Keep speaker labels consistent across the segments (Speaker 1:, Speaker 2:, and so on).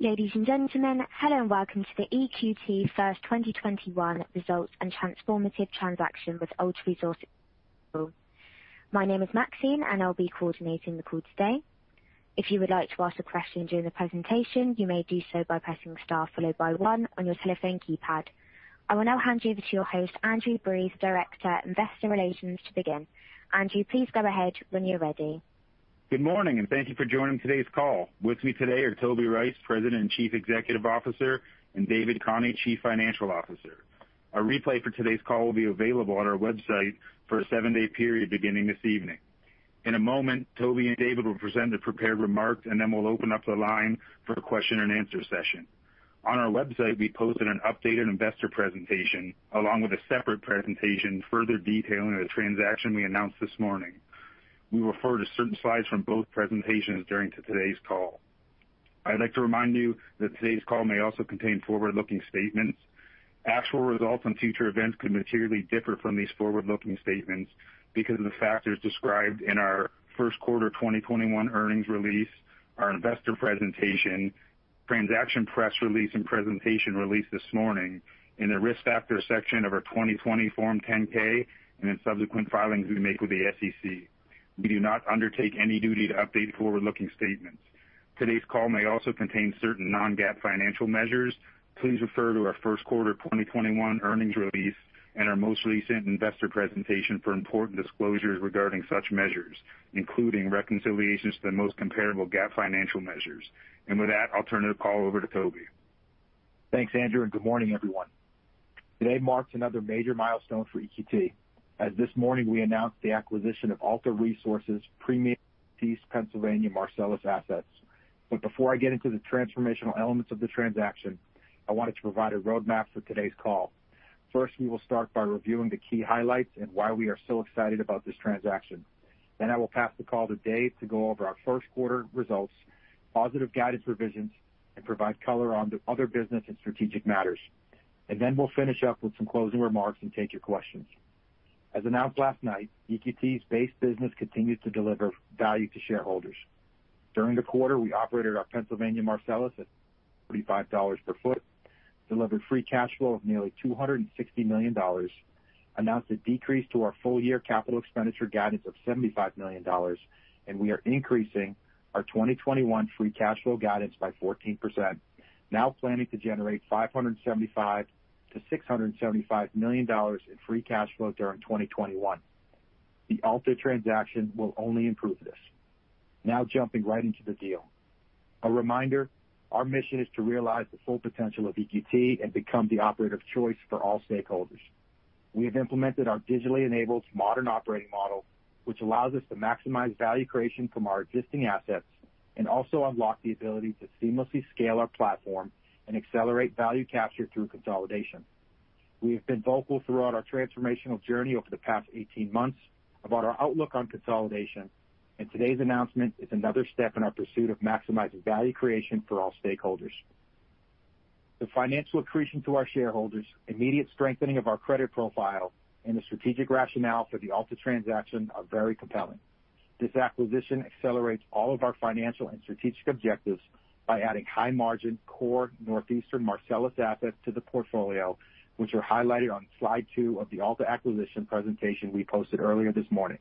Speaker 1: Ladies and gentlemen, hello and welcome to the EQT First 2021 Results and Transformative Transaction with Alta Resources call. My name is Maxine, and I'll be coordinating the call today. If you would like to ask a question during the presentation, you may do so by pressing star followed by one on your telephone keypad. I will now hand you over to your host, Andrew Breese, Director, Investor Relations, to begin. Andrew, please go ahead when you're ready.
Speaker 2: Good morning, thank you for joining today's call. With me today are Toby Rice, President and Chief Executive Officer; and David Khani, Chief Financial Officer. A replay for today's call will be available on our website for a seven-day period beginning this evening. In a moment, Toby and David will present the prepared remarks, and then we'll open up the line for a question and answer session. On our website, we posted an updated investor presentation, along with a separate presentation further detailing the transaction we announced this morning. We will refer to certain slides from both presentations during today's call. I'd like to remind you that today's call may also contain forward-looking statements. Actual results and future events could materially differ from these forward-looking statements because of the factors described in our Q1 2021 earnings release, our investor presentation, transaction press release, and presentation released this morning, in the Risk Factors section of our 2020 Form 10-K, and in subsequent filings we make with the SEC. We do not undertake any duty to update forward-looking statements. Today's call may also contain certain non-GAAP financial measures. Please refer to our Q1 2021 earnings release and our most recent investor presentation for important disclosures regarding such measures, including reconciliations to the most comparable GAAP financial measures. With that, I'll turn the call over to Toby.
Speaker 3: Thanks, Andrew. Good morning, everyone. Today marks another major milestone for EQT, as this morning we announced the acquisition of Alta Resources' premium East Pennsylvania Marcellus assets. Before I get into the transformational elements of the transaction, I wanted to provide a roadmap for today's call. First, we will start by reviewing the key highlights and why we are so excited about this transaction. I will pass the call to David Khani to go over our Q1 results, positive guidance revisions, and provide color on the other business and strategic matters. We'll finish up with some closing remarks and take your questions. As announced last night, EQT's base business continues to deliver value to shareholders. During the quarter, we operated our Pennsylvania Marcellus at $35 per foot, delivered free cash flow of nearly $260 million, announced a decrease to our full-year capital expenditure guidance of $75 million. We are increasing our 2021 free cash flow guidance by 14%, now planning to generate $575 million-$675 million in free cash flow during 2021. The Alta transaction will only improve this. Jumping right into the deal. A reminder, our mission is to realize the full potential of EQT and become the operator of choice for all stakeholders. We have implemented our digitally enabled modern operating model, which allows us to maximize value creation from our existing assets and also unlock the ability to seamlessly scale our platform and accelerate value capture through consolidation. We have been vocal throughout our transformational journey over the past 18 months about our outlook on consolidation, and today's announcement is another step in our pursuit of maximizing value creation for all stakeholders. The financial accretion to our shareholders, immediate strengthening of our credit profile, and the strategic rationale for the Alta transaction are very compelling. This acquisition accelerates all of our financial and strategic objectives by adding high-margin, core northeastern Marcellus assets to the portfolio, which are highlighted on slide two of the Alta acquisition presentation we posted earlier this morning.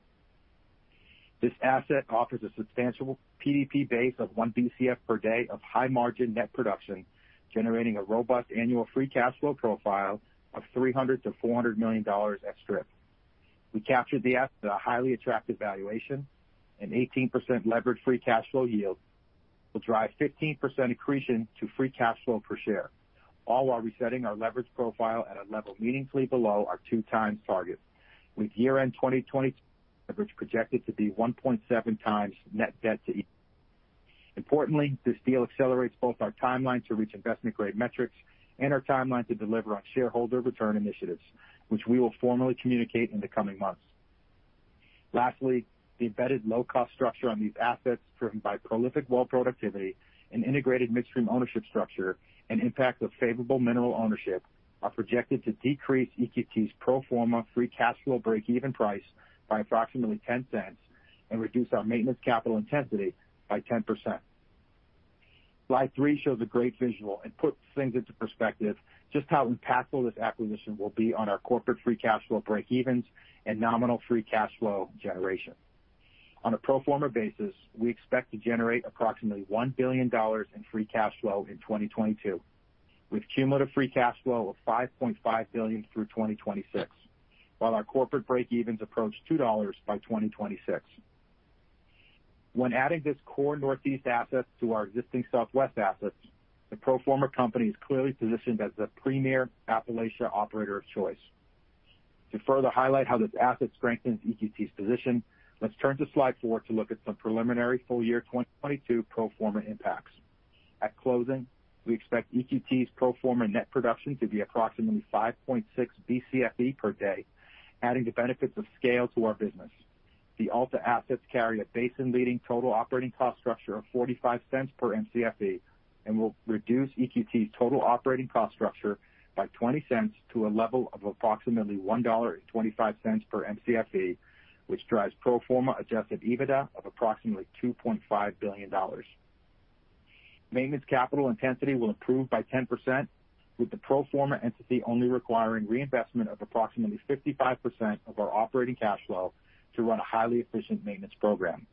Speaker 3: This asset offers a substantial PDP base of one Bcf per day of high-margin net production, generating a robust annual Free Cash Flow profile of $300 million-$400 million at strip. We captured the asset at a highly attractive valuation, an 18% leverage free cash flow yield, which will drive 15% accretion to free cash flow per share, all while resetting our leverage profile at a level meaningfully below our 2x target, with year-end 2022 leverage projected to be 1.7x net debt to EBITDA. Importantly, this deal accelerates both our timeline to reach investment-grade metrics and our timeline to deliver on shareholder return initiatives, which we will formally communicate in the coming months. Lastly, the embedded low-cost structure on these assets, driven by prolific well productivity, an integrated midstream ownership structure, and impact of favorable mineral ownership, are projected to decrease EQT's pro forma free cash flow breakeven price by approximately $0.10 and reduce our maintenance capital intensity by 10%. Slide three shows a great visual and puts things into perspective just how impactful this acquisition will be on our corporate Free Cash Flow breakevens and nominal Free Cash Flow generation. On a pro forma basis, we expect to generate approximately $1 billion in Free Cash Flow in 2022, with cumulative Free Cash Flow of $5.5 billion through 2026, while our corporate breakevens approach $2 by 2026. When adding this core Northeast asset to our existing Southwest assets, the pro forma company is clearly positioned as the premier Appalachia operator of choice. To further highlight how this asset strengthens EQT's position, let's turn to slide four to look at some preliminary full-year 2022 pro forma impacts. At closing, we expect EQT's pro forma net production to be approximately 5.6 Bcfe per day, adding the benefits of scale to our business. The Alta assets carry a basin-leading total operating cost structure of $0.45 per Mcfe. Will reduce EQT's total operating cost structure by $0.20 to a level of approximately $1.25 per Mcfe, which drives pro forma Adjusted EBITDA of approximately $2.5 billion. Maintenance capital intensity will improve by 10%, with the pro forma entity only requiring reinvestment of approximately 55% of our operating cash flow to run a highly efficient maintenance program.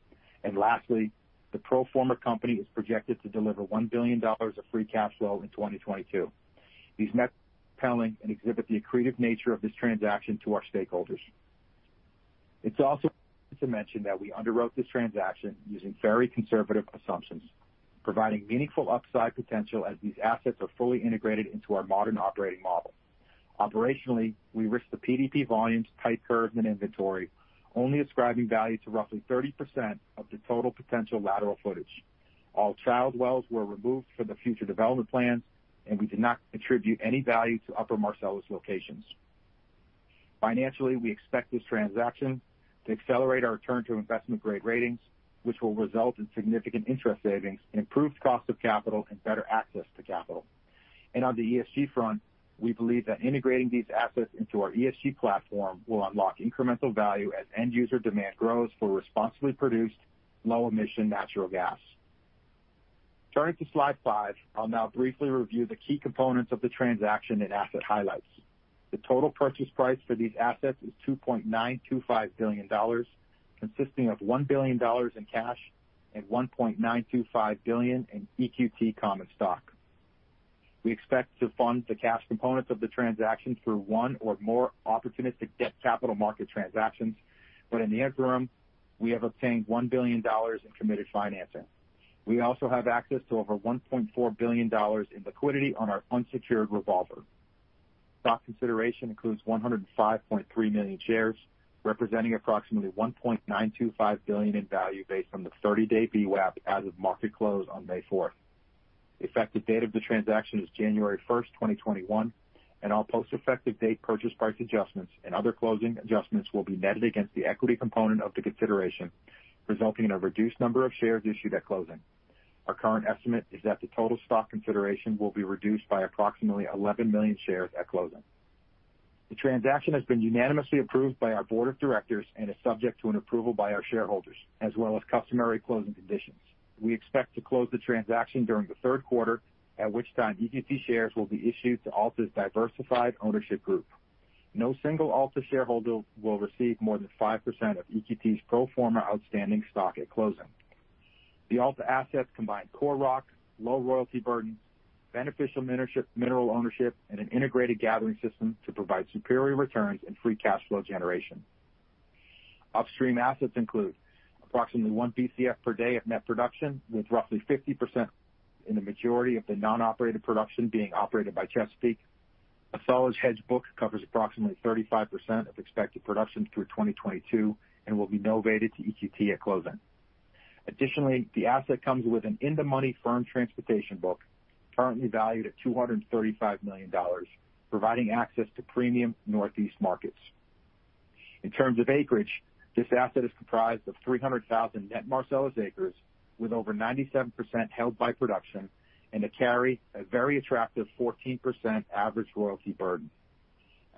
Speaker 3: Lastly, the pro forma company is projected to deliver $1 billion of Free Cash Flow in 2022. These metrics are compelling and exhibit the accretive nature of this transaction to our stakeholders. It's also important to mention that we underwrote this transaction using very conservative assumptions, providing meaningful upside potential as these assets are fully integrated into our modern operating model. Operationally, we risked the PDP volumes, type curves, and inventory, only ascribing value to roughly 30% of the total potential lateral footage. All child wells were removed from the future development plans, and we did not attribute any value to Upper Marcellus locations. Financially, we expect this transaction to accelerate our return to investment-grade ratings, which will result in significant interest savings, improved cost of capital, and better access to capital. On the ESG front, we believe that integrating these assets into our ESG platform will unlock incremental value as end-user demand grows for responsibly produced low-emission natural gas. Turning to slide five, I'll now briefly review the key components of the transaction and asset highlights. The total purchase price for these assets is $2.925 billion, consisting of $1 billion in cash and $1.925 billion in EQT common stock. We expect to fund the cash components of the transaction through one or more opportunistic debt capital market transactions. In the interim, we have obtained $1 billion in committed financing. We also have access to over $1.4 billion in liquidity on our unsecured revolver. Stock consideration includes 105.3 million shares, representing approximately $1.925 billion in value based on the 30-day VWAP as of market close on May 4th. The effective date of the transaction is January 1st, 2021. All post-effective date purchase price adjustments and other closing adjustments will be netted against the equity component of the consideration, resulting in a reduced number of shares issued at closing. Our current estimate is that the total stock consideration will be reduced by approximately 11 million shares at closing. The transaction has been unanimously approved by our board of directors and is subject to an approval by our shareholders, as well as customary closing conditions. We expect to close the transaction during the Q3, at which time EQT shares will be issued to Alta's diversified ownership group. No single Alta shareholder will receive more than 5% of EQT's pro forma outstanding stock at closing. The Alta assets combine core rock, low royalty burden, beneficial mineral ownership, and an integrated gathering system to provide superior returns and Free Cash Flow generation. Upstream assets include approximately one Bcf per day of net production, with roughly 50% in the majority of the non-operated production being operated by Chesapeake. A solid hedge book covers approximately 35% of expected production through 2022 and will be novated to EQT at closing. The asset comes with an in-the-money firm transportation book, currently valued at $235 million, providing access to premium Northeast markets. In terms of acreage, this asset is comprised of 300,000 net Marcellus acres, with over 97% held by production, and they carry a very attractive 14% average royalty burden.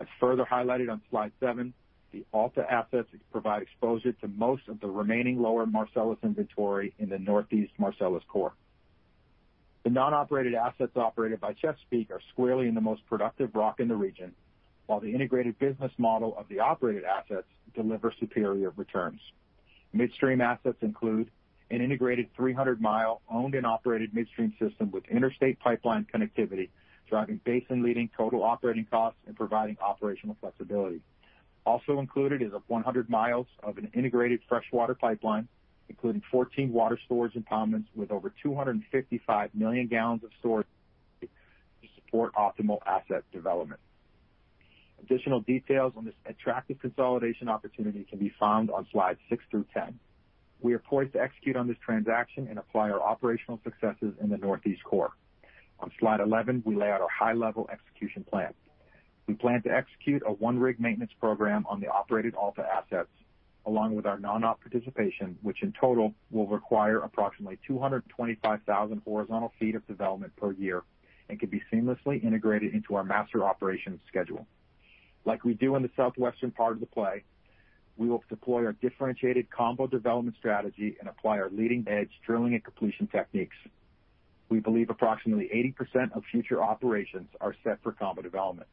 Speaker 3: As further highlighted on slide seven, the Alta assets provide exposure to most of the remaining lower Marcellus inventory in the Northeast Marcellus Core. The non-operated assets operated by Chesapeake are squarely in the most productive rock in the region, while the integrated business model of the operated assets delivers superior returns. Midstream assets include an integrated 300-mile owned and operated midstream system with interstate pipeline connectivity, driving basin-leading total operating costs and providing operational flexibility. Also included is 100 miles of an integrated freshwater pipeline, including 14 water storage impoundments with over 255 million gallons of storage to support optimal asset development. Additional details on this attractive consolidation opportunity can be found on slides six through 10. We are poised to execute on this transaction and apply our operational successes in the Northeast Core. On slide 11, we lay out our high-level execution plan. We plan to execute a one-rig maintenance program on the operated Alta assets, along with our non-op participation, which in total will require approximately 225,000 horizontal feet of development per year and can be seamlessly integrated into our master operations schedule. Like we do in the southwestern part of the play, we will deploy our differentiated combo development strategy and apply our leading-edge drilling and completion techniques. We believe approximately 80% of future operations are set for combo development.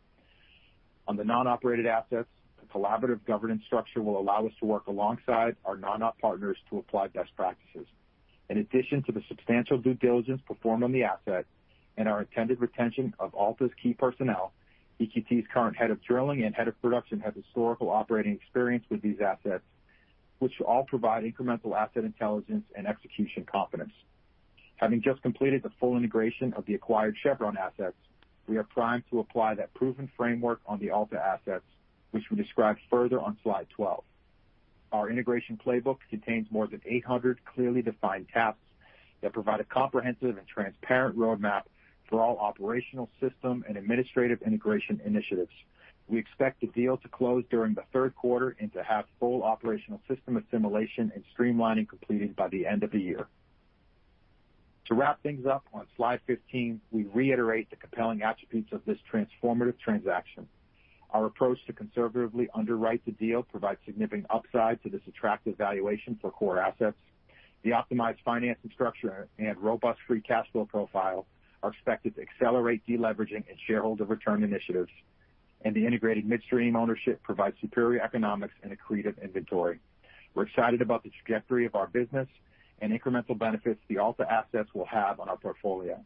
Speaker 3: On the non-operated assets, a collaborative governance structure will allow us to work alongside our non-op partners to apply best practices. In addition to the substantial due diligence performed on the asset and our intended retention of Alta's key personnel, EQT's current head of drilling and head of production have historical operating experience with these assets, which will all provide incremental asset intelligence and execution confidence. Having just completed the full integration of the acquired Chevron assets, we are primed to apply that proven framework on the Alta assets, which we describe further on slide 12. Our integration playbook contains more than 800 clearly defined tasks that provide a comprehensive and transparent roadmap for all operational system and administrative integration initiatives. We expect the deal to close during the Q3 and to have full operational system assimilation and streamlining completed by the end of the year. To wrap things up on slide 15, we reiterate the compelling attributes of this transformative transaction. Our approach to conservatively underwrite the deal provides significant upside to this attractive valuation for core assets. The optimized financing structure and robust Free Cash Flow profile are expected to accelerate deleveraging and shareholder return initiatives. The integrated midstream ownership provides superior economics and accretive inventory. We're excited about the trajectory of our business and incremental benefits the Alta assets will have on our portfolio.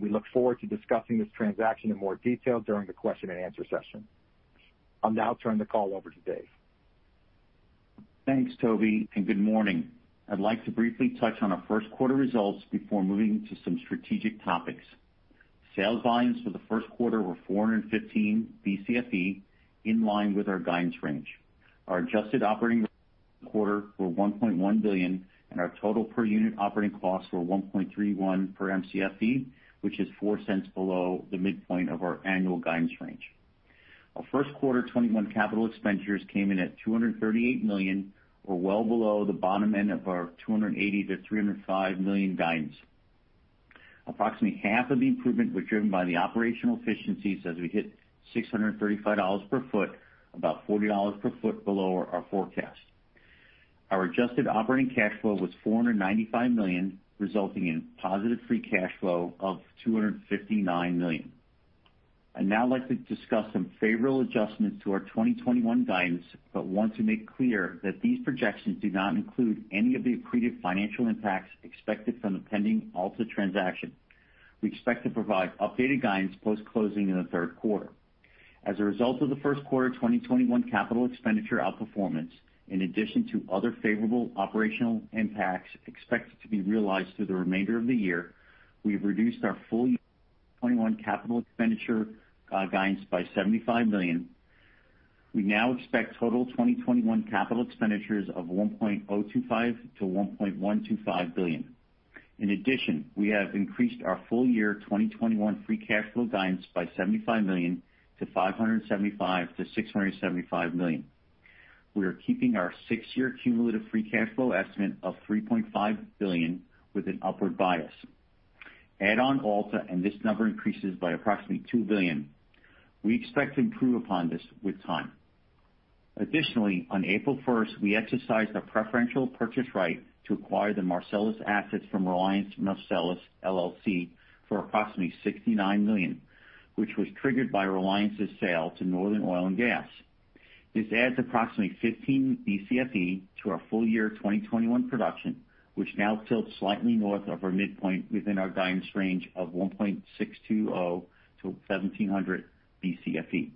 Speaker 3: We look forward to discussing this transaction in more detail during the question and answer session. I'll now turn the call over to Dave.
Speaker 4: Thanks, Toby, and good morning. I'd like to briefly touch on our Q1 results before moving to some strategic topics. Sales volumes for the Q1 were 415 Bcfe, in line with our guidance range. Our adjusted operating revenues were $1.1 billion and our total per unit operating costs were $1.31 per Mcfe, which is $0.04 below the midpoint of our annual guidance range. Our Q1 2021 capital expenditures came in at $238 million, or well below the bottom end of our $280 million-$305 million guidance. Approximately half of the improvement was driven by the operational efficiencies as we hit $635 per foot, about $40 per foot below our forecast. Our Adjusted Operating Cash Flow was $495 million, resulting in positive Free Cash Flow of $259 million. I'd now like to discuss some favorable adjustments to our 2021 guidance, but want to make clear that these projections do not include any of the accretive financial impacts expected from the pending Alta transaction. We expect to provide updated guidance post-closing in the Q3. As a result of the Q1 2021 capital expenditure outperformance, in addition to other favorable operational impacts expected to be realized through the remainder of the year, we've reduced our full year 2021 capital expenditure guidance by $75 million. We now expect total 2021 capital expenditures of $1.025 billion-$1.125 billion. In addition, we have increased our full year 2021 Free Cash Flow guidance by $75 million to $575 million-$675 million. We are keeping our six-year cumulative Free Cash Flow estimate of $3.5 billion with an upward bias. Add on Alta. This number increases by approximately $2 billion. We expect to improve upon this with time. Additionally, on April 1st, we exercised our preferential purchase right to acquire the Marcellus assets from Reliance Marcellus, LLC for approximately $69 million, which was triggered by Reliance's sale to Northern Oil and Gas. This adds approximately 15 Bcfe to our full year 2021 production, which now tilts slightly north of our midpoint within our guidance range of 1,620 Bcfe-1,700 Bcfe.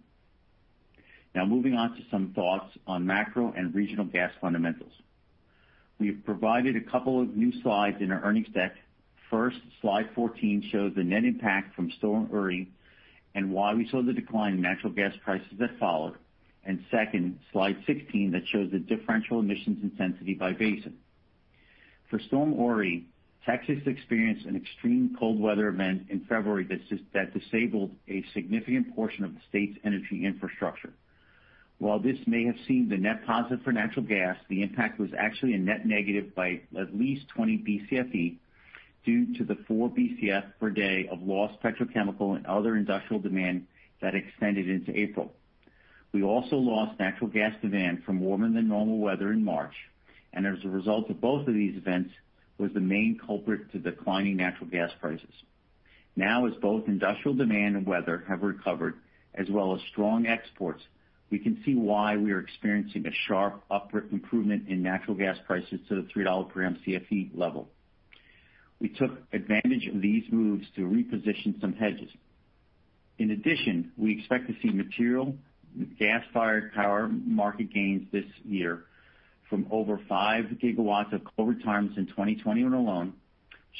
Speaker 4: Moving on to some thoughts on macro and regional gas fundamentals. We have provided a couple of new slides in our earnings deck. First, slide 14 shows the net impact from Storm Uri and why we saw the decline in natural gas prices that followed, and second, slide 16 that shows the differential emissions intensity by basin. For Storm Uri, Texas experienced an extreme cold weather event in February that disabled a significant portion of the state's energy infrastructure. While this may have seemed a net positive for natural gas, the impact was actually a net negative by at least 20 Bcfe due to the 4 Bcf per day of lost petrochemical and other industrial demand that extended into April. We also lost natural gas demand from warmer than normal weather in March, and as a result of both of these events, was the main culprit to declining natural gas prices. Now, as both industrial demand and weather have recovered, as well as strong exports, we can see why we are experiencing a sharp upward improvement in natural gas prices to the $3 per Mcfe level. We took advantage of these moves to reposition some hedges. In addition, we expect to see material gas-fired power market gains this year from over 5 GW of coal retirements in 2021 alone,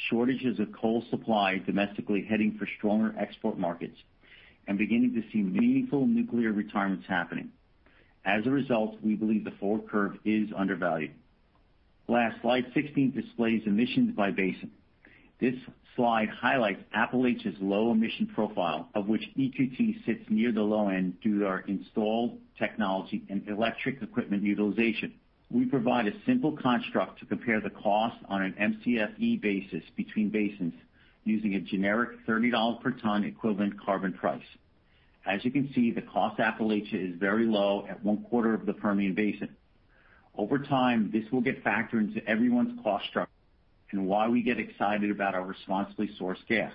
Speaker 4: shortages of coal supply domestically heading for stronger export markets, and beginning to see meaningful nuclear retirements happening. As a result, we believe the forward curve is undervalued. Last, slide 16 displays emissions by basin. This slide highlights Appalachia's low emission profile, of which EQT sits near the low end due to our installed technology and electric equipment utilization. We provide a simple construct to compare the cost on an Mcfe basis between basins using a generic $30 per ton equivalent carbon price. As you can see, the cost of Appalachia is very low at one-quarter of the Permian Basin. Over time, this will get factored into everyone's cost structure and why we get excited about our responsibly sourced gas.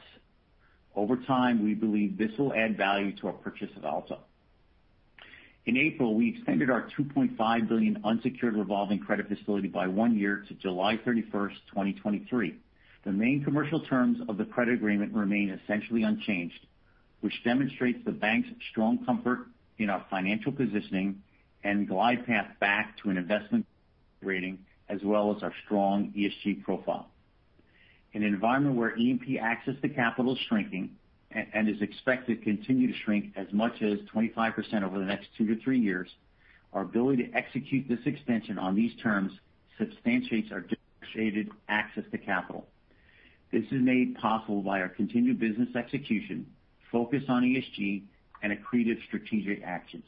Speaker 4: Over time, we believe this will add value to our purchase of Alta. In April, we extended our $2.5 billion unsecured revolving credit facility by one year to July 31, 2023. The main commercial terms of the credit agreement remain essentially unchanged, which demonstrates the bank's strong comfort in our financial positioning and glide path back to an investment rating, as well as our strong ESG profile. In an environment where E&P access to capital is shrinking and is expected to continue to shrink as much as 25% over the next two to three years. Our ability to execute this expansion on these terms substantiates our differentiated access to capital. This is made possible by our continued business execution, focus on ESG, and accretive strategic actions.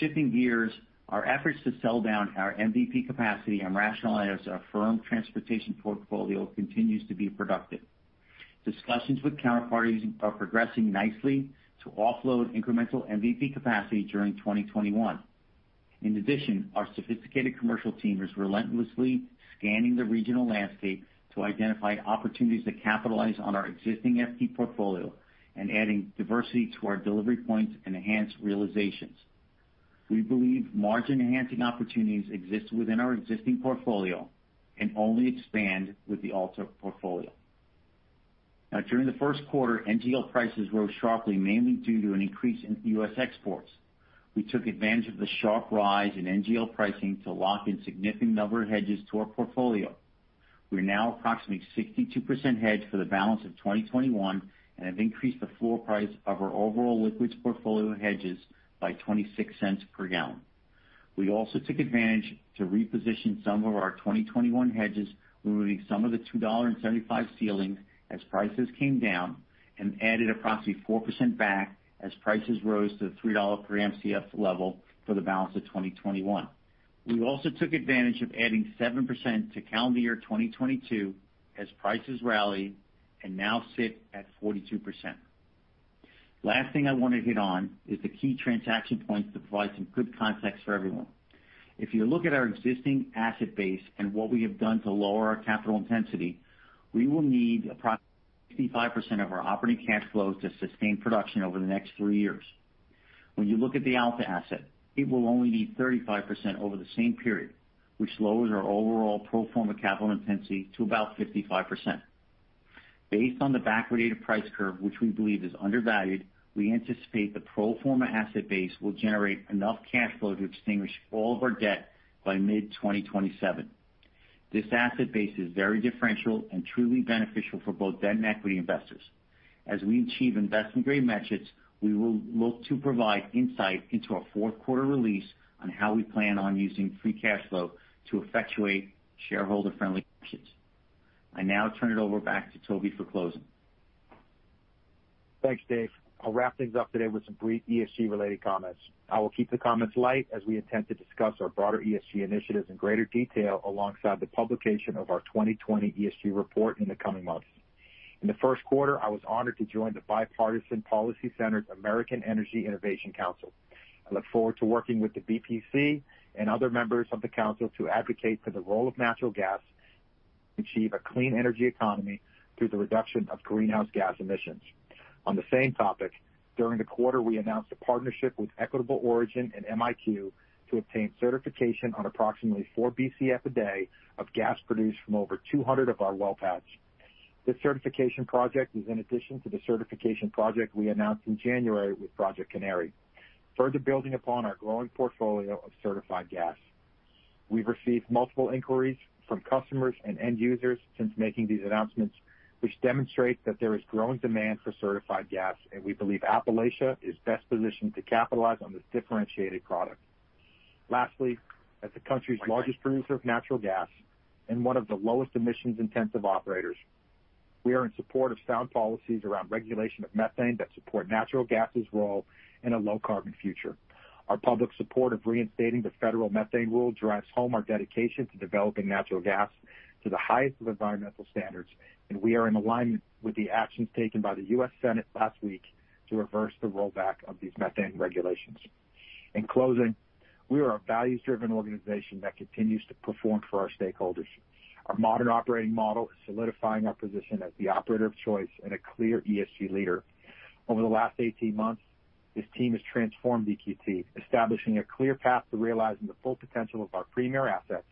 Speaker 4: Shifting gears, our efforts to sell down our MVP capacity and rationalize our firm transportation portfolio continues to be productive. Discussions with counterparties are progressing nicely to offload incremental MVP capacity during 2021. In addition, our sophisticated commercial team is relentlessly scanning the regional landscape to identify opportunities to capitalize on our existing FT portfolio and adding diversity to our delivery points and enhance realizations. We believe margin-enhancing opportunities exist within our existing portfolio and only expand with the Alta portfolio. Now, during the Q1, NGL prices rose sharply, mainly due to an increase in US exports. We took advantage of the sharp rise in NGL pricing to lock in significant number of hedges to our portfolio. We're now approximately 62% hedged for the balance of 2021 and have increased the floor price of our overall liquids portfolio hedges by $0.26 per gallon. We also took advantage to reposition some of our 2021 hedges, removing some of the $2.75 ceiling as prices came down and added approximately 4% back as prices rose to the $3 per Mcf level for the balance of 2021. We also took advantage of adding 7% to calendar year 2022 as prices rallied and now sit at 42%. Last thing I want to hit on is the key transaction points to provide some good context for everyone. If you look at our existing asset base and what we have done to lower our capital intensity, we will need approximately 65% of our operating cash flows to sustain production over the next three years. When you look at the Alta asset, it will only need 35% over the same period, which lowers our overall pro forma capital intensity to about 55%. Based on the backwardated price curve, which we believe is undervalued, we anticipate the pro forma asset base will generate enough cash flow to extinguish all of our debt by mid-2027. This asset base is very differential and truly beneficial for both debt and equity investors. As we achieve investment-grade metrics, we will look to provide insight into our Q4 release on how we plan on using free cash flow to effectuate shareholder-friendly actions. I now turn it over back to Toby for closing.
Speaker 3: Thanks, Dave. I'll wrap things up today with some brief ESG-related comments. I will keep the comments light as we intend to discuss our broader ESG initiatives in greater detail alongside the publication of our 2020 ESG report in the coming months. In the Q4, I was honored to join the Bipartisan Policy Center's American Energy Innovation Council. I look forward to working with the BPC and other members of the council to advocate for the role of natural gas to achieve a clean energy economy through the reduction of greenhouse gas emissions. On the same topic, during the quarter, we announced a partnership with Equitable Origin and MiQ to obtain certification on approximately 4 Bcf a day of gas produced from over 200 of our well pads. This certification project is in addition to the certification project we announced in January with Project Canary, further building upon our growing portfolio of certified gas. We've received multiple inquiries from customers and end users since making these announcements, which demonstrate that there is growing demand for certified gas, and we believe Appalachia is best positioned to capitalize on this differentiated product. Lastly, as the country's largest producer of natural gas and one of the lowest emissions-intensive operators, we are in support of sound policies around regulation of methane that support natural gas's role in a low-carbon future. Our public support of reinstating the federal methane rule drives home our dedication to developing natural gas to the highest of environmental standards, and we are in alignment with the actions taken by the US Senate last week to reverse the rollback of these methane regulations. In closing, we are a values-driven organization that continues to perform for our stakeholders. Our modern operating model is solidifying our position as the operator of choice and a clear ESG leader. Over the last 18 months, this team has transformed EQT, establishing a clear path to realizing the full potential of our premier assets,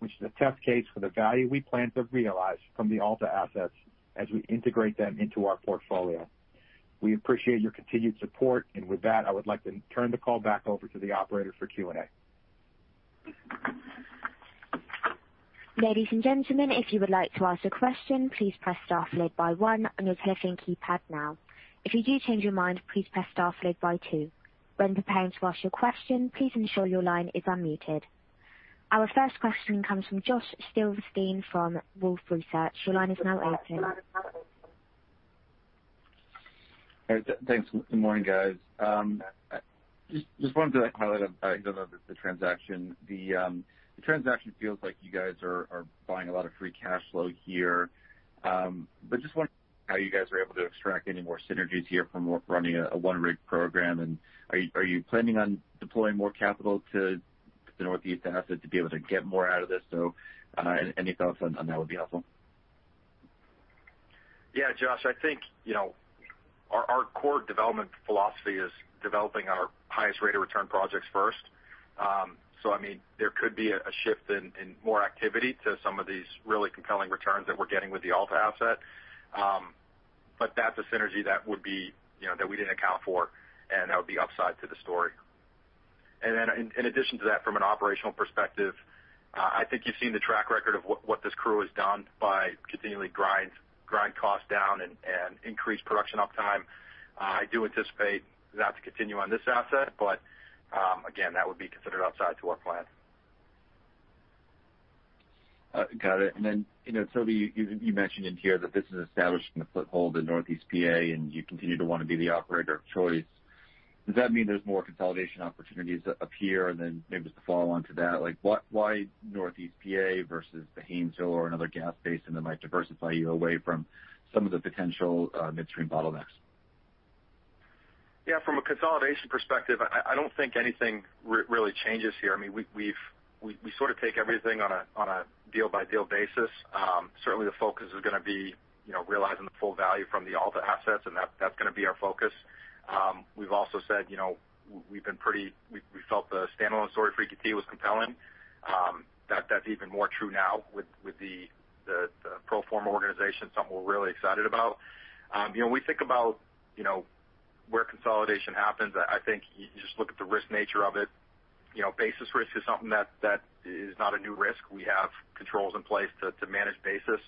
Speaker 3: which is a test case for the value we plan to realize from the Alta assets as we integrate them into our portfolio. We appreciate your continued support, and with that, I would like to turn the call back over to the operator for Q&A.
Speaker 1: Ladies and gentlemen, if you would like to ask a question, please press star followed by one on your telephone keypad now. If you do change your mind please press star followed by two. When it's time to ask your question, please ensure that your line is unmuted. Our first question comes from Josh Silverstein from Wolfe Research. Your line is now open.
Speaker 5: Thanks. Good morning, guys. Just wanted to highlight the transaction. The transaction feels like you guys are buying a lot of Free Cash Flow here. Just wondering how you guys are able to extract any more synergies here from running a one-rig program, and are you planning on deploying more capital to the Northeast asset to be able to get more out of this? Any thoughts on that would be helpful.
Speaker 3: Yeah, Josh, I think our core development philosophy is developing our highest rate of return projects first. There could be a shift in more activity to some of these really compelling returns that we're getting with the Alta asset. That's a synergy that we didn't account for, and that would be upside to the story. In addition to that, from an operational perspective, I think you've seen the track record of what this crew has done by continually grind costs down and increase production uptime. I do anticipate that to continue on this asset, but again, that would be considered outside to our plan.
Speaker 5: Got it. Toby, you mentioned in here that this is establishing a foothold in Northeast P.A., and you continue to want to be the operator of choice. Does that mean there's more consolidation opportunities that appear? Maybe just to follow on to that, why Northeast P.A. versus the Haynesville or another gas basin that might diversify you away from some of the potential midstream bottlenecks?
Speaker 3: Yeah. From a consolidation perspective, I don't think anything really changes here. We sort of take everything on a deal-by-deal basis. Certainly, the focus is going to be realizing the full value from the Alta assets, and that's going to be our focus. We've also said, we felt the standalone story for EQT was compelling. That's even more true now with the pro forma organization, something we're really excited about. When we think about where consolidation happens, I think you just look at the risk nature of it. Basis risk is something that is not a new risk. We have controls in place to manage basis.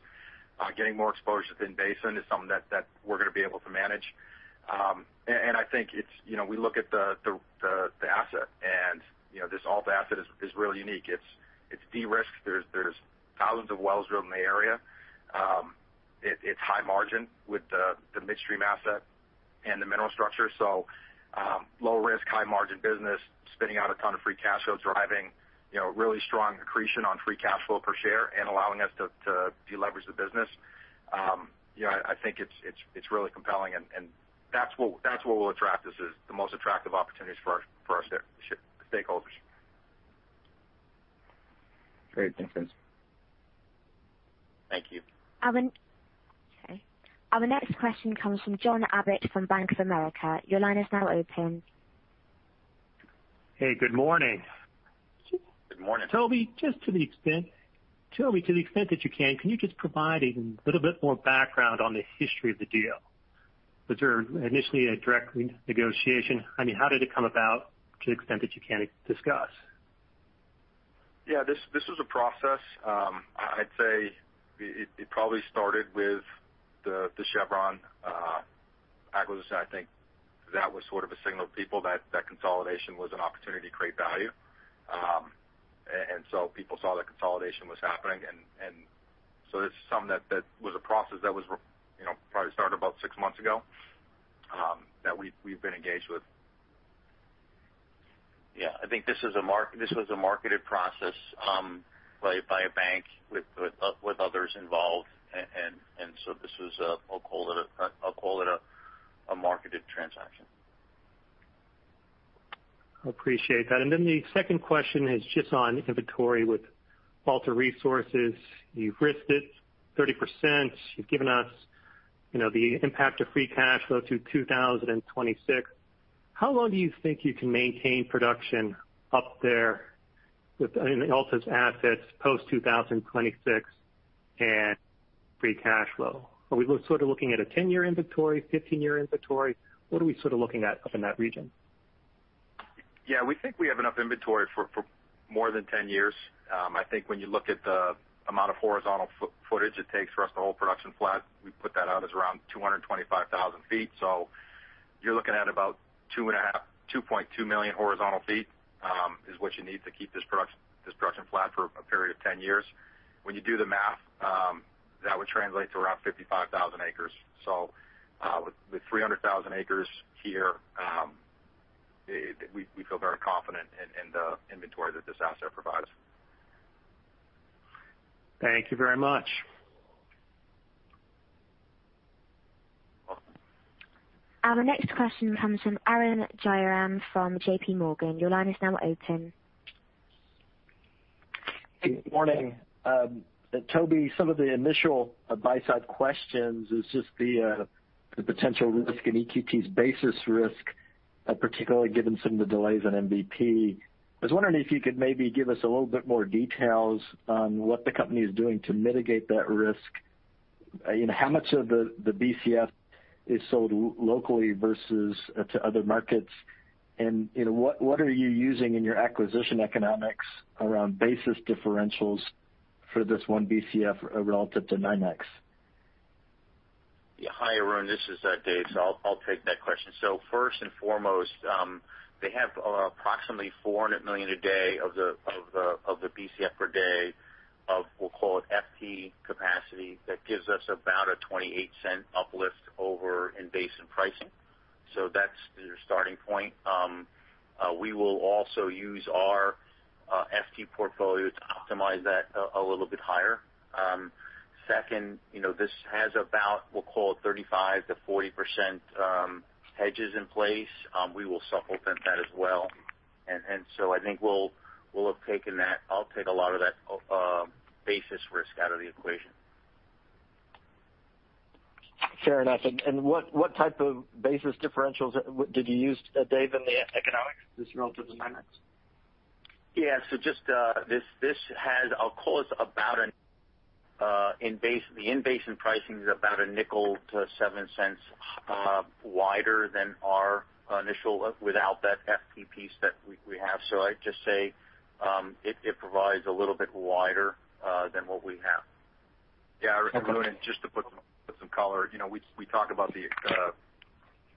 Speaker 3: Getting more exposure to in basin is something that we're going to be able to manage. I think we look at the asset, and this Alta asset is really unique. It's de-risked. There's thousands of wells drilled in the area. It's high margin with the midstream asset and the mineral structure. Low risk, high margin business, spitting out a ton of Free Cash Flow, driving really strong accretion on Free Cash Flow per share and allowing us to de-leverage the business. I think it's really compelling, that's what will attract us, is the most attractive opportunities for our stakeholders.
Speaker 5: Great. Thanks, gents.
Speaker 3: Thank you.
Speaker 1: Okay. Our next question comes from John Abbott from Bank of America. Your line is now open.
Speaker 6: Hey, good morning.
Speaker 3: Good morning.
Speaker 6: Toby, just to the extent that you can you just provide a little bit more background on the history of the deal? Was there initially a direct negotiation? How did it come about, to the extent that you can discuss?
Speaker 3: Yeah. This was a process. I'd say it probably started with the Chevron acquisition. I think that was sort of a signal to people that consolidation was an opportunity to create value. People saw that consolidation was happening, and so this was a process that probably started about six months ago, that we've been engaged with.
Speaker 4: Yeah. I think this was a marketed process by a bank with others involved. This was, I'll call it a marketed transaction.
Speaker 6: Appreciate that. The second question is just on inventory with Alta Resources. You've risked it 30%. You've given us the impact of Free Cash Flow through 2026. How long do you think you can maintain production up there with Alta's assets post-2026 and Free Cash Flow? Are we looking at a 10-year inventory, 15-year inventory? What are we looking at up in that region?
Speaker 3: Yeah. We think we have enough inventory for more than 10 years. I think when you look at the amount of horizontal footage it takes for us to hold production flat, we put that out as around 225,000 feet. You're looking at about 2.2 million horizontal feet, is what you need to keep this production flat for a period of 10 years. When you do the math, that would translate to around 55,000 acres. With 300,000 acres here, we feel very confident in the inventory that this asset provides.
Speaker 6: Thank you very much.
Speaker 1: Our next question comes from Arun Jayaram from JPMorgan. Your line is now open.
Speaker 7: Good morning. Toby, some of the initial buy-side questions is just the potential risk in EQT's basis risk, particularly given some of the delays in MVP. I was wondering if you could maybe give us a little bit more details on what the company is doing to mitigate that risk. How much of the Bcf is sold locally versus to other markets? What are you using in your acquisition economics around basis differentials for this one Bcf relative to NYMEX?
Speaker 4: Hi, Arun. This is Dave. I'll take that question. First and foremost, they have approximately 400 million a day of the Bcf per day of, we'll call it, FT capacity. That gives us about a $0.28 uplift over in-basin pricing. We will also use our FT portfolio to optimize that a little bit higher. Second, this has about, we'll call it, 35%-40% hedges in place. We will supplement that as well. I think I'll take a lot of that basis risk out of the equation.
Speaker 7: Fair enough. What type of basis differentials did you use, Dave, in the economics, this relative to NYMEX?
Speaker 4: Yeah. This has, I'll call it, the in-basin pricing is about $0.05-$0.07 wider than our initial without that FT piece that we have. I'd just say, it provides a little bit wider than what we have.
Speaker 3: Some color. We talk about the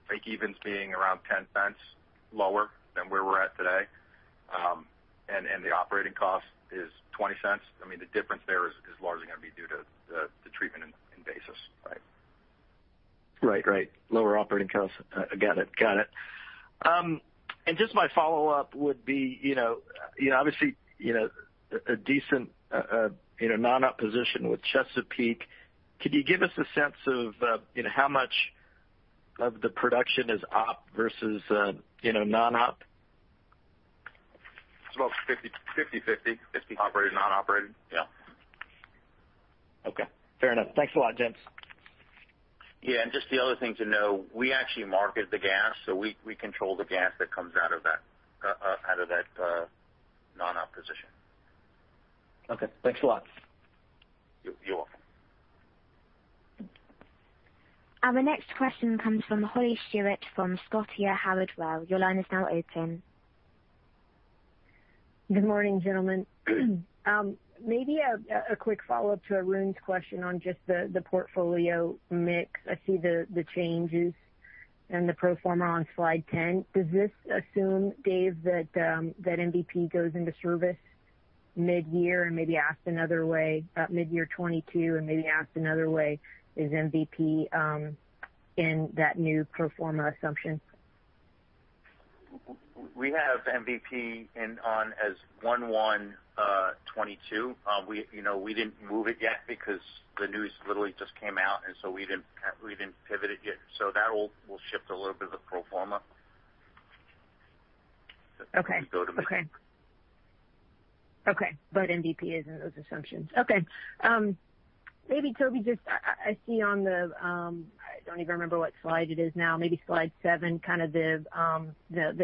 Speaker 3: breakevens being around $0.10 lower than where we're at today. The operating cost is $0.20. The difference there is largely going to be due to the treatment in basis. Right?
Speaker 7: Right. Lower operating costs. Got it. Just my follow-up would be, obviously, a decent, non-op position with Chesapeake. Could you give us a sense of how much of the production is op versus non-op?
Speaker 3: It's about 50/50. Operated, non-operated.
Speaker 7: Yeah. Okay. Fair enough. Thanks a lot, gents.
Speaker 4: Yeah. Just the other thing to know, we actually market the gas, we control the gas that comes out of that non-position.
Speaker 7: Okay. Thanks a lot.
Speaker 4: You're welcome.
Speaker 1: Our next question comes from Holly Stewart from Scotiabank Howard Weil. Your line is now open.
Speaker 8: Good morning, gentlemen. Maybe a quick follow-up to Arun's question on just the portfolio mix. I see the changes and the pro forma on slide 10. Does this assume, Dave, that MVP goes into service mid-year, 2022, and maybe asked another way, is MVP in that new pro forma assumption?
Speaker 4: We have MVP in on as 1/1/2022. We didn't move it yet because the news literally just came out, and so we didn't pivot it yet. That will shift a little bit of the pro forma.
Speaker 8: Okay. MVP is in those assumptions. Okay. Maybe Toby, just I see on the, I don't even remember what slide it is now, maybe slide seven, the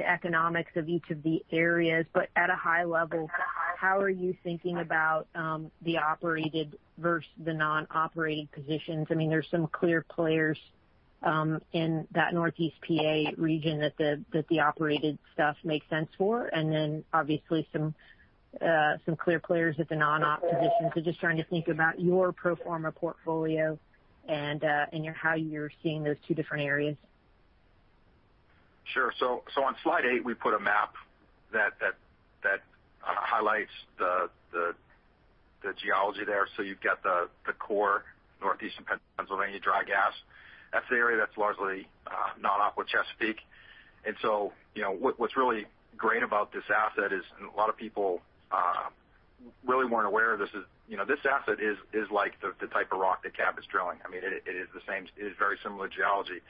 Speaker 8: economics of each of the areas, but at a high level, how are you thinking about the operated versus the non-operated positions? There's some clear players in that Northeast P.A. region that the operated stuff makes sense for, and then obviously some clear players with the non-op positions. Just trying to think about your pro forma portfolio and how you're seeing those two different areas.
Speaker 3: Sure. On slide eight, we put a map that highlights the geology there. You've got the core Northeastern Pennsylvania dry gas. That's the area that's largely non-op with Chesapeake. What's really great about this asset is a lot of people really weren't aware this asset is like the type of rock that Cabot is drilling. It is very similar geology.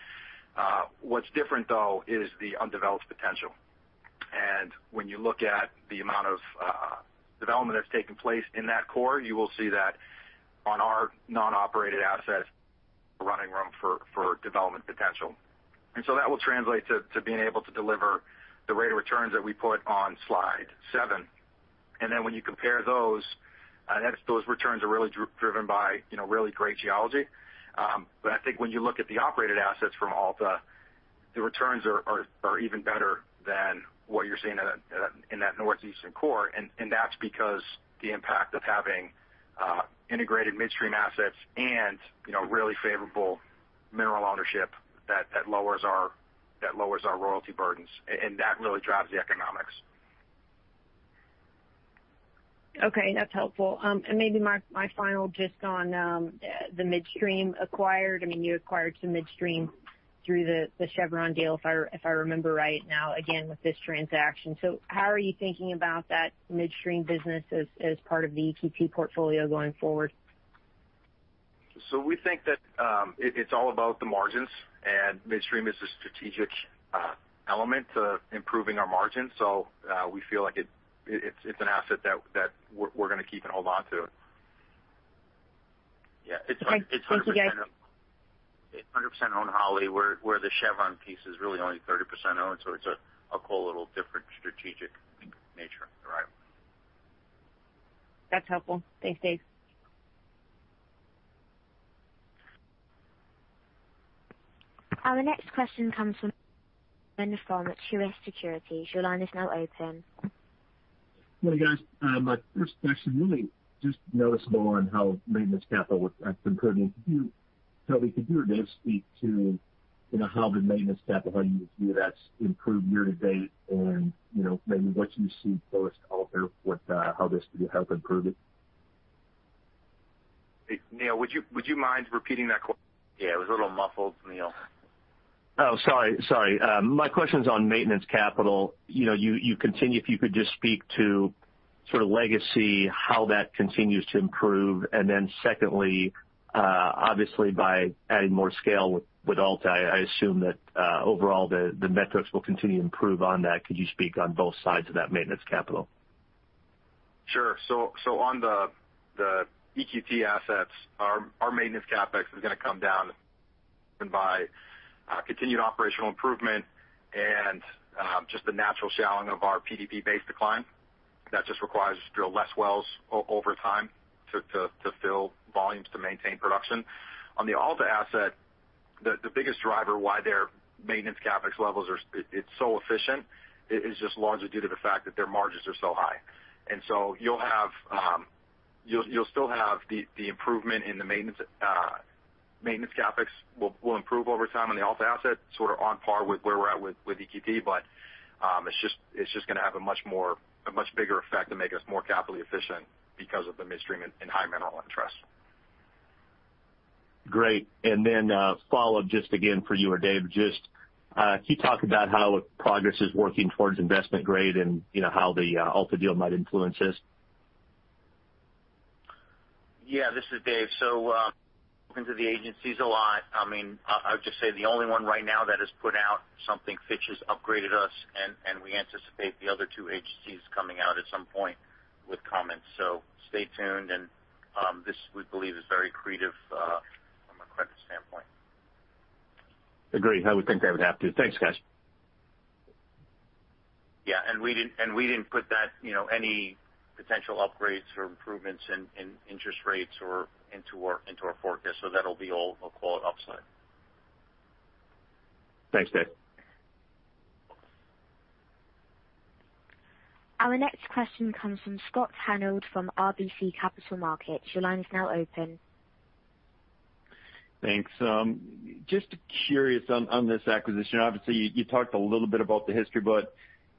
Speaker 3: What's different, though, is the undeveloped potential. When you look at the amount of development that's taken place in that core, you will see that on our non-operated assets, running room for development potential. That will translate to being able to deliver the rate of returns that we put on slide seven. When you compare those returns are really driven by really great geology. I think when you look at the operated assets from Alta, the returns are even better than what you're seeing in that northeastern core. That's because the impact of having integrated midstream assets and really favorable mineral ownership that lowers our royalty burdens, and that really drives the economics.
Speaker 8: Okay, that's helpful. Maybe my final just on the midstream acquired. You acquired some midstream through the Chevron deal, if I remember right now again, with this transaction. How are you thinking about that midstream business as part of the EQT portfolio going forward?
Speaker 3: We think that it's all about the margins, and midstream is a strategic element to improving our margins. We feel like it's an asset that we're going to keep and hold on to.
Speaker 4: Yeah.
Speaker 8: Thanks. Thank you, guys.
Speaker 4: It's 100% owned, Holly, where the Chevron piece is really only 30% owned. It's a whole little different strategic nature arrival.
Speaker 8: That's helpful. Thanks, Dave.
Speaker 1: Our next question comes from Neal Dingmann at Truist Securities. Your line is now open.
Speaker 9: Good morning, guys. My first question, really just noticeable on how maintenance capital has improved. Toby, could you or Dave speak to how you view that's improved year to date, and maybe what you see going forward, how this could help improve it?
Speaker 3: Neal, would you mind repeating that question?
Speaker 4: Yeah, it was a little muffled, Neal.
Speaker 9: Oh, sorry. My question's on maintenance capital. You continue, if you could just speak to sort of legacy, how that continues to improve. Secondly, obviously by adding more scale with Alta, I assume that overall the metrics will continue to improve on that. Could you speak on both sides of that maintenance capital?
Speaker 3: Sure. On the EQT assets, our maintenance CapEx is going to come down by continued operational improvement and just the natural shallowing of our PDP-based decline. That just requires us to drill less wells over time to fill volumes to maintain production. On the Alta assets. The biggest driver why their maintenance CapEx levels are so efficient is just largely due to the fact that their margins are so high. You'll still have the improvement in the maintenance. Maintenance CapEx will improve over time on the Alta asset, sort of on par with where we're at with EQT, it's just going to have a much bigger effect and make us more capitally efficient because of the midstream and high mineral interest.
Speaker 9: Great. A follow-up just again for you or Dave, just can you talk about how progress is working towards investment grade and how the Alta deal might influence this?
Speaker 4: This is Dave. Talking to the agencies a lot. I would just say the only one right now that has put out something, Fitch has upgraded us, and we anticipate the other two agencies coming out at some point with comments. Stay tuned, and this, we believe, is very accretive from a credit standpoint.
Speaker 9: Agreed. I would think they would have to. Thanks, guys.
Speaker 4: Yeah. We didn't put that, any potential upgrades or improvements in interest rates into our forecast. That'll be all upside.
Speaker 9: Thanks, Dave.
Speaker 1: Our next question comes from Scott Hanold from RBC Capital Markets. Your line is now open.
Speaker 10: Thanks. Just curious on this acquisition.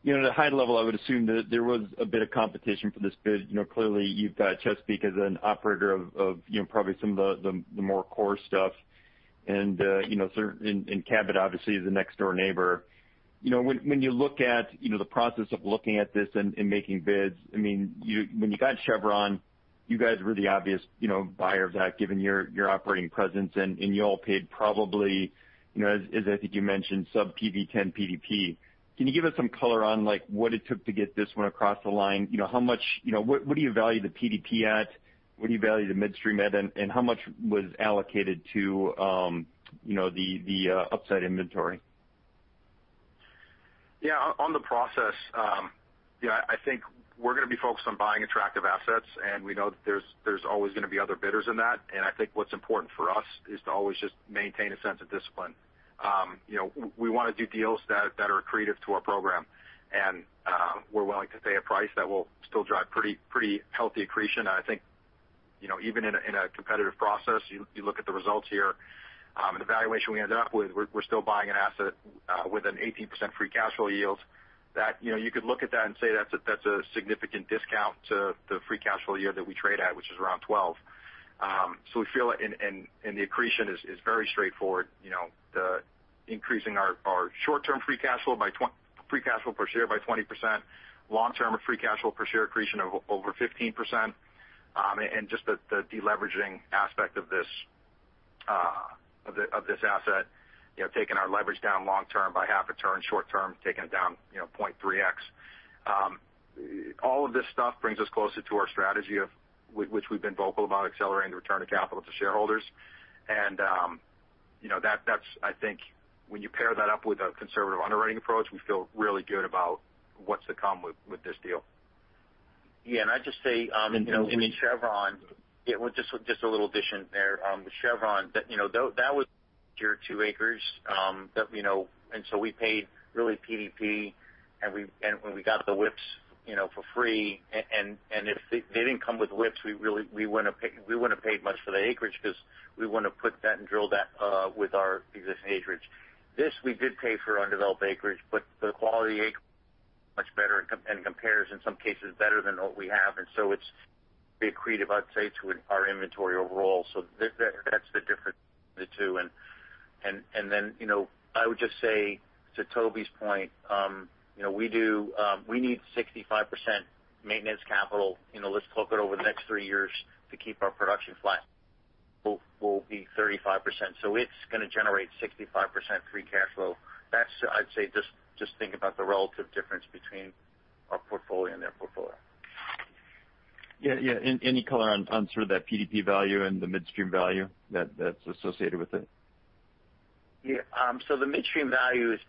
Speaker 10: At a high level, I would assume that there was a bit of competition for this bid. Clearly, you've got Chesapeake as an operator of probably some of the more core stuff, and Cabot obviously is the next-door neighbor. You look at the process of looking at this and making bids, when you got Chevron, you guys were the obvious buyer of that, given your operating presence, and you all paid probably, as I think you mentioned, sub PV-10 PDP. Can you give us some color on what it took to get this one across the line? What do you value the PDP at? What do you value the midstream at, and how much was allocated to the upside inventory?
Speaker 3: Yeah. On the process, I think we're going to be focused on buying attractive assets, we know that there's always going to be other bidders in that. I think what's important for us is to always just maintain a sense of discipline. We want to do deals that are accretive to our program, and we're willing to pay a price that will still drive pretty healthy accretion. I think even in a competitive process, you look at the results here, and the valuation we ended up with, we're still buying an asset with an 18% Free Cash Flow yield. You could look at that and say that's a significant discount to the Free Cash Flow yield that we trade at, which is around 12%. We feel the accretion is very straightforward. Increasing our short-term Free Cash Flow per share by 20%, long-term Free Cash Flow per share accretion of over 15%. Just the de-leveraging aspect of this asset, taking our leverage down long term by half a turn, short term, taking it down 0.3x. All of this stuff brings us closer to our strategy, which we've been vocal about, accelerating the return of capital to shareholders. That's, I think when you pair that up with a conservative underwriting approach, we feel really good about what's to come with this deal.
Speaker 4: Yeah. I'd just say with Chevron. Just a little addition there. With Chevron, that was pure two acres, so we paid really PDP, and when we got the WIPs for free, and if they didn't come with WIPs, we wouldn't have paid much for the acreage because we want to put that and drill that with our existing acreage. This, we did pay for undeveloped acreage, but the quality acreage is much better and compares in some cases better than what we have, so it's accretive, I'd say, to our inventory overall. So that's the difference between the two. Then, I would just say to Toby's point, we need 65% maintenance capital lifted over the next three years to keep our production flat, will be 35%. So it's going to generate 65% Free Cash Flow. That's, I'd say, just think about the relative difference between our portfolio and their portfolio.
Speaker 10: Yeah. Any color on sort of that PDP value and the midstream value that's associated with it?
Speaker 4: Yeah. The midstream value, it's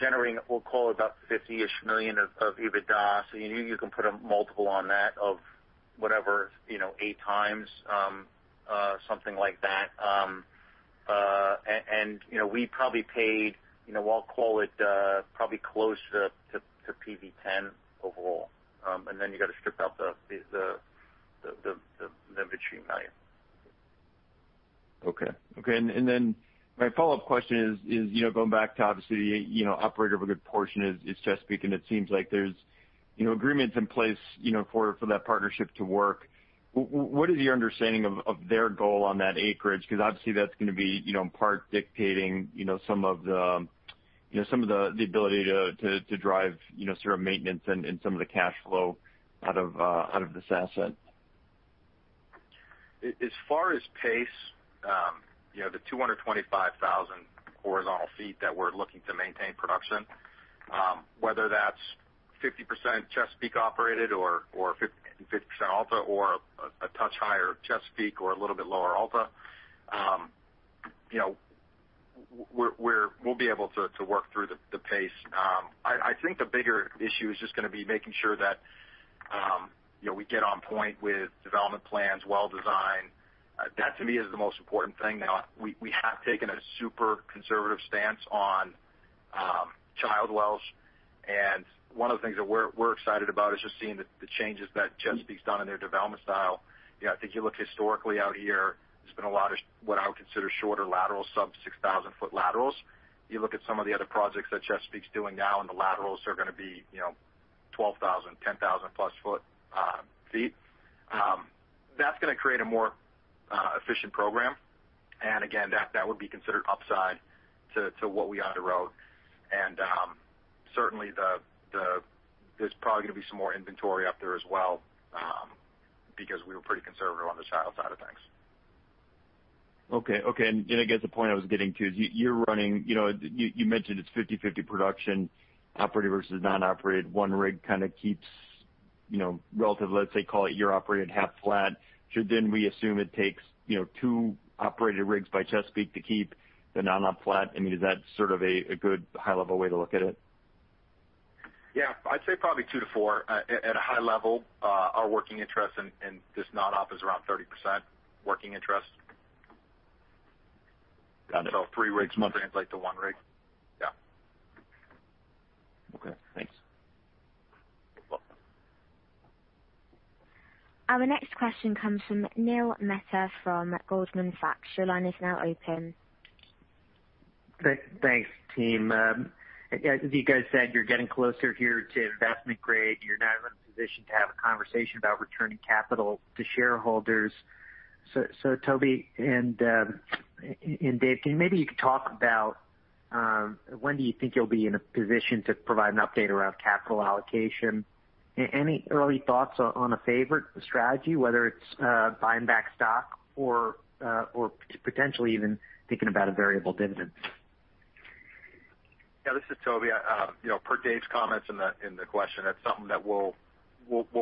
Speaker 4: generating, we'll call it about $50 million of EBITDA. You can put a multiple on that of whatever, eight times, something like that. We probably paid, I'll call it close to PV-10 overall. You got to strip out the midstream value.
Speaker 10: Okay. My follow-up question is going back to, obviously, the operator of a good portion is Chesapeake, and it seems like there's agreements in place for that partnership to work. What is your understanding of their goal on that acreage? Obviously, that's going to be in part dictating some of the ability to drive sort of maintenance and some of the cash flow out of this asset.
Speaker 3: As far as pace, the 225,000 horizontal feet that we're looking to maintain production, whether that's 50% Chesapeake operated or 50% Alta or a touch higher Chesapeake or a little bit lower Alta. We'll be able to work through the pace. I think the bigger issue is just going to be making sure that we get on point with development plans, well-designed. That, to me, is the most important thing now. We have taken a super conservative stance on child wells, and one of the things that we're excited about is just seeing the changes that Chesapeake's done in their development style. I think you look historically out here, there's been a lot of what I would consider shorter lateral sub 6,000-foot laterals. You look at some of the other projects that Chesapeake's doing now, the laterals are going to be 12,000, 10,000-plus feet. That's going to create a more efficient program, and again, that would be considered upside to what we underwrote. Certainly, there's probably going to be some more inventory up there as well, because we were pretty conservative on the shale side of things.
Speaker 10: Okay. I guess the point I was getting to is you mentioned it's 50/50 production operated versus non-operated. One rig kind of keeps relative, let's say, call it your operated half flat. Should then we assume it takes two operated rigs by Chesapeake to keep the non-op flat? I mean, is that sort of a good high-level way to look at it?
Speaker 3: Yeah, I'd say probably two to four. At a high level, our working interest in this non-op is around 30% working interest.
Speaker 10: Got it. Three rigs would translate to one rig. Yeah. Okay, thanks.
Speaker 3: You're welcome.
Speaker 1: Our next question comes from Neil Mehta from Goldman Sachs. Your line is now open.
Speaker 11: Thanks, team. As you guys said, you're getting closer here to investment grade. You're now in a position to have a conversation about returning capital to shareholders. Toby and Dave, can maybe you could talk about when do you think you'll be in a position to provide an update around capital allocation? Any early thoughts on a favorite strategy, whether it's buying back stock or potentially even thinking about a variable dividend?
Speaker 3: Yeah, this is Toby. Per Dave's comments in the question, that's something that we'll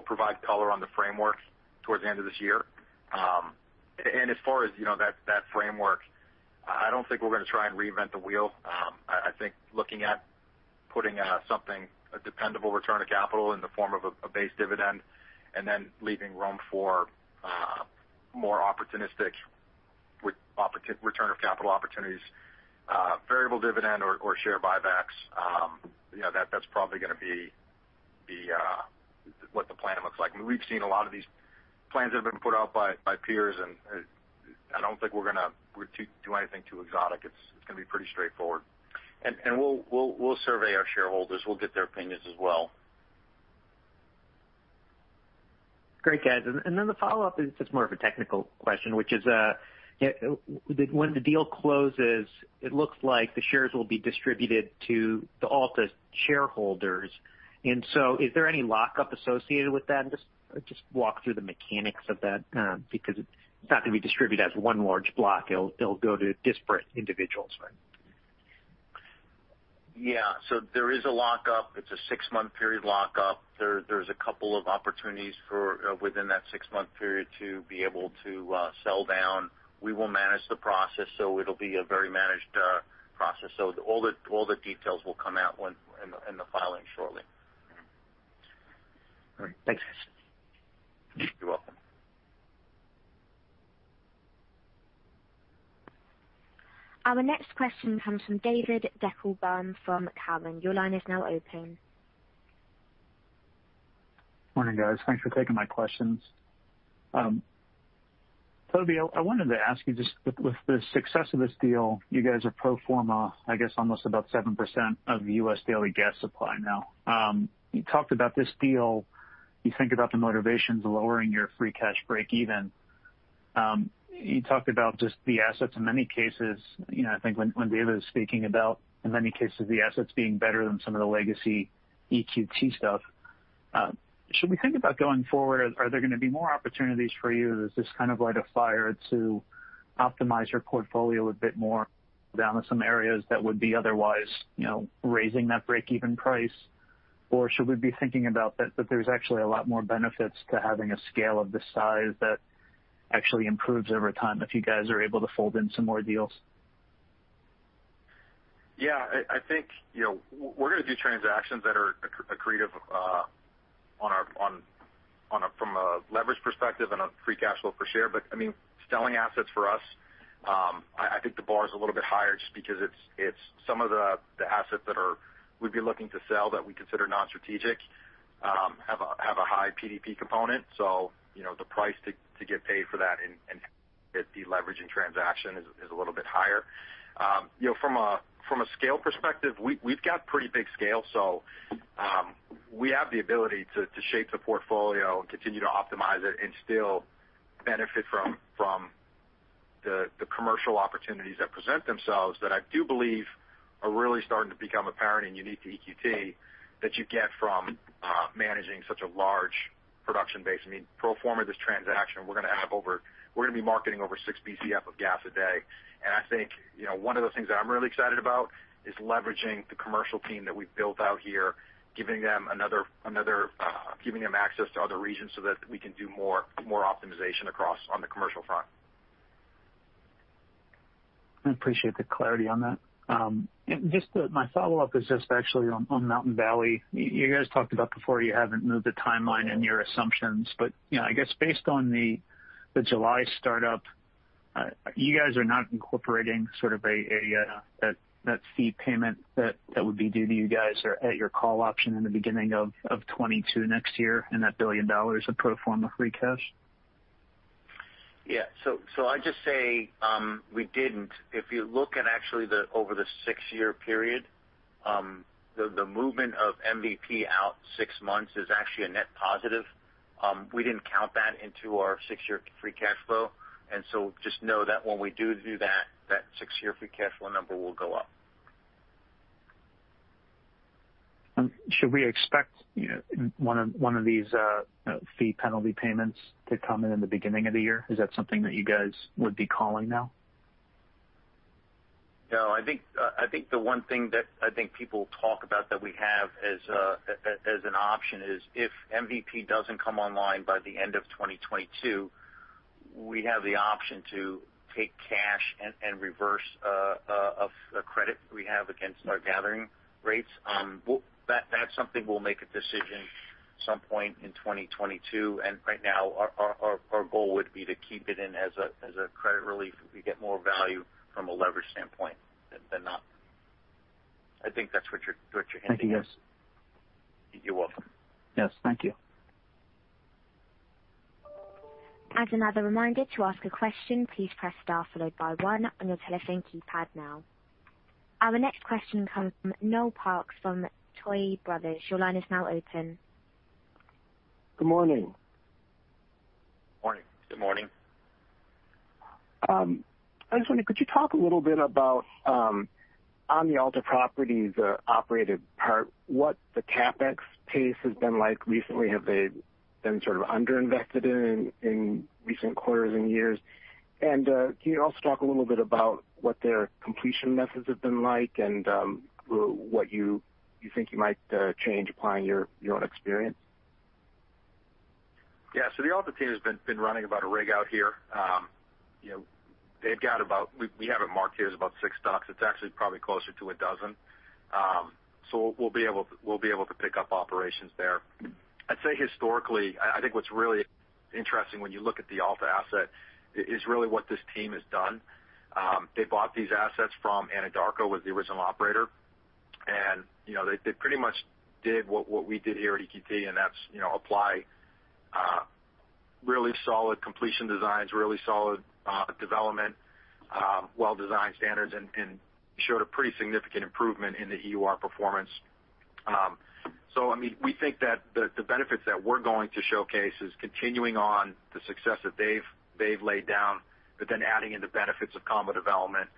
Speaker 3: provide color on the framework towards the end of this year. As far as that framework, I don't think we're going to try and reinvent the wheel. I think looking at putting something, a dependable return of capital in the form of a base dividend, and then leaving room for more opportunistic return of capital opportunities, variable dividend or share buybacks. That's probably going to be what the plan looks like. We've seen a lot of these plans that have been put out by peers, and I don't think we're going to do anything too exotic. It's going to be pretty straightforward.
Speaker 4: We'll survey our shareholders. We'll get their opinions as well.
Speaker 11: Great, guys. The follow-up is just more of a technical question, which is when the deal closes, it looks like the shares will be distributed to all the shareholders. Is there any lockup associated with that? Just walk through the mechanics of that, because it's not going to be distributed as one large block. It'll go to disparate individuals, right?
Speaker 4: Yeah. There is a lockup. It's a six-month period lockup. There's a couple of opportunities within that six-month period to be able to sell down. We will manage the process, so it'll be a very managed process. All the details will come out in the filing shortly.
Speaker 11: All right. Thanks, guys.
Speaker 4: You're welcome.
Speaker 1: Our next question comes from David Deckelbaum from Cowen. Your line is now open.
Speaker 12: Morning, guys. Thanks for taking my questions. Toby, I wanted to ask you, just with the success of this deal, you guys are pro forma, I guess almost about 7% of the U.S. daily gas supply now. You talked about this deal. You think about the motivations lowering your free cash break even. You talked about just the assets in many cases, I think when David was speaking about, in many cases, the assets being better than some of the legacy EQT stuff. Should we think about going forward, are there going to be more opportunities for you? Is this kind of light a fire to optimize your portfolio a bit more down to some areas that would be otherwise raising that break-even price? Should we be thinking about that there's actually a lot more benefits to having a scale of this size that actually improves over time if you guys are able to fold in some more deals?
Speaker 3: Yeah, I think we're going to do transactions that are accretive from a leverage perspective and a free cash flow per share. Selling assets for us, I think the bar is a little bit higher just because some of the assets that we'd be looking to sell that we consider non-strategic have a high PDP component. The price to get paid for that in a de-leveraging transaction is a little bit higher. From a scale perspective, we've got pretty big scale. We have the ability to shape the portfolio and continue to optimize it and still benefit from the commercial opportunities that present themselves that I do believe are really starting to become apparent and unique to EQT that you get from managing such a large production base. Pro forma of this transaction, we're going to be marketing over 6 Bcf of gas a day. I think one of the things that I'm really excited about is leveraging the commercial team that we've built out here, giving them access to other regions so that we can do more optimization across on the commercial front.
Speaker 12: I appreciate the clarity on that. My follow-up is just actually on Mountain Valley. I guess based on the July startup, you guys are not incorporating that fee payment that would be due to you guys or at your call option in the beginning of 2022 next year, and that $1 billion of pro forma free cash?
Speaker 3: Yeah. I just say, we didn't. If you look at actually over the six-year period, the movement of MVP out six months is actually a net positive. We didn't count that into our six-year Free Cash Flow. Just know that when we do that six-year Free Cash Flow number will go up.
Speaker 12: Should we expect one of these fee penalty payments to come in in the beginning of the year? Is that something that you guys would be calling now?
Speaker 3: No, I think the one thing that I think people talk about that we have as an option is if MVP doesn't come online by the end of 2022, we have the option to take cash and reverse a credit we have against our gathering rates. That's something we'll make a decision some point in 2022. Right now, our goal would be to keep it in as a credit relief. We get more value from a leverage standpoint than not. I think that's what you're hinting at.
Speaker 12: Thank you, guys.
Speaker 3: You're welcome.
Speaker 12: Yes. Thank you.
Speaker 1: As another reminder to ask a question, please press star followed by one on your telephone keypad now. Our next question comes from Noel Parks from Tuohy Brothers. Your line is now open.
Speaker 13: Good morning.
Speaker 3: Morning.
Speaker 4: Good morning.
Speaker 13: I just wonder, could you talk a little bit about on the Alta Resources operated part, what the CapEx pace has been like recently? Have they been sort of under-invested in recent quarters and years? Can you also talk a little bit about what their completion methods have been like and what you think you might change applying your own experience?
Speaker 3: Yeah. The Alta team has been running about a rig out here. We have it marked here as about six DUCs. It's actually probably closer to a dozen. We'll be able to pick up operations there. I'd say historically, I think what's really interesting when you look at the Alta asset is really what this team has done. They bought these assets from Anadarko, was the original operator. They pretty much did what we did here at EQT, and that's apply really solid completion designs, really solid development, well-designed standards, and showed a pretty significant improvement in the EUR performance. We think that the benefits that we're going to showcase is continuing on the success that they've laid down, but then adding in the benefits of combo development,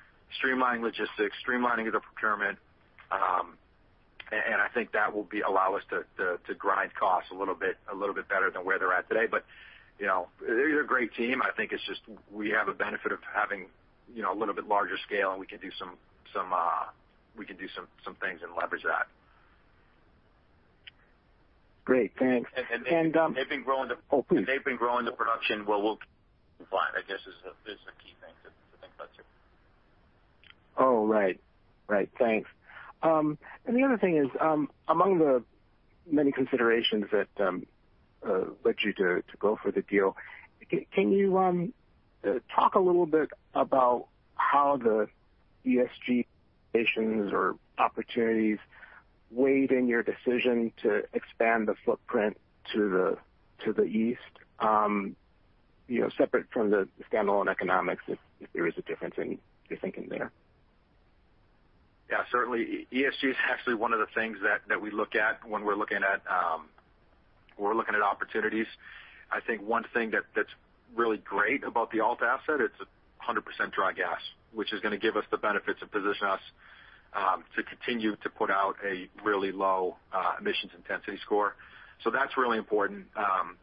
Speaker 3: streamlining logistics, streamlining of the procurement. I think that will allow us to grind costs a little bit better than where they're at today. They're a great team. I think it's just we have a benefit of having a little bit larger scale, and we can do some things and leverage that.
Speaker 13: Great. Thanks.
Speaker 3: They've been growing.
Speaker 13: Oh, please.
Speaker 3: They've been growing the production, we'll comply, I guess, is a key thing to think about too.
Speaker 13: Oh, right. Thanks. The other thing is, among the many considerations that led you to go for the deal, can you talk a little bit about how the ESG considerations or opportunities weighed in your decision to expand the footprint to the east? Separate from the standalone economics, if there is a difference in your thinking there.
Speaker 3: Yeah, certainly. ESG is actually one of the things that we look at when we're looking at opportunities. I think one thing that's really great about the Alta asset, it's 100% dry gas, which is going to give us the benefits and position us to continue to put out a really low emissions intensity score. That's really important.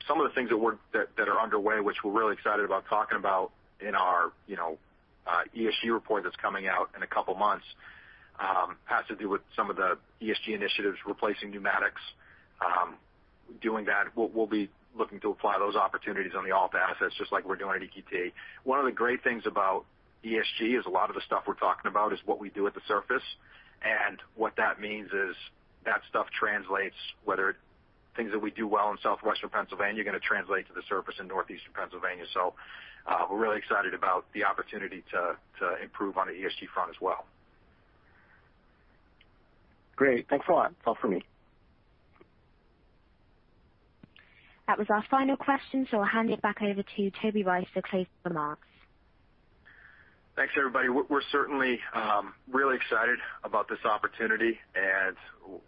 Speaker 3: Some of the things that are underway, which we're really excited about talking about in our ESG report that's coming out in a couple of months, has to do with some of the ESG initiatives, replacing pneumatics. Doing that, we'll be looking to apply those opportunities on the Alta assets just like we're doing at EQT. One of the great things about ESG is a lot of the stuff we're talking about is what we do at the surface. What that means is that stuff translates, whether things that we do well in southwestern Pennsylvania are going to translate to the surface in northeastern Pennsylvania. We're really excited about the opportunity to improve on the ESG front as well.
Speaker 13: Great. Thanks a lot. That's all for me.
Speaker 1: That was our final question, so I'll hand it back over to Toby Rice for closing remarks.
Speaker 3: Thanks, everybody. We're certainly really excited about this opportunity, and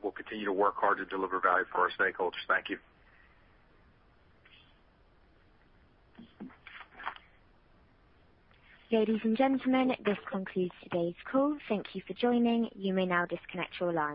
Speaker 3: we'll continue to work hard to deliver value for our stakeholders. Thank you.
Speaker 1: Ladies and gentlemen, this concludes today's call. Thank you for joining. You may now disconnect your line.